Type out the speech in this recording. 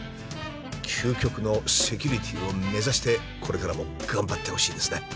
究極のセキュリティーを目指してこれからも頑張ってほしいですね。